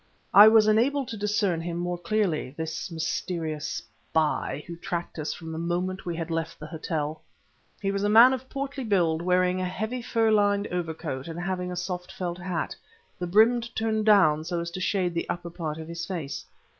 I was enabled to discern him more clearly, this mysterious spy who had tracked us from the moment that we had left the hotel. He was a man of portly build wearing a heavy fur lined overcoat and having a soft felt hat, the brim turned down so as to shade the upper part of his face.